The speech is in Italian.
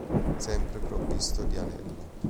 Sempre provvisto di anello.